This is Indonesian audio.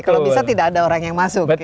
kalau bisa tidak ada orang yang masuk